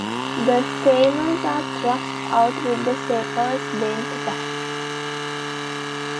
The stamens are thrust out with the sepals bent back.